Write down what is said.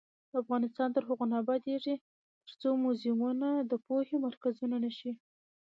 افغانستان تر هغو نه ابادیږي، ترڅو موزیمونه د پوهې مرکزونه نشي.